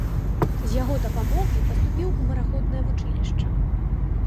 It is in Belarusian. З яго дапамогай паступіў у мараходнае вучылішча.